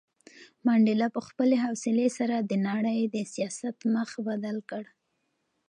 منډېلا په خپلې حوصلې سره د نړۍ د سیاست مخ بدل کړ.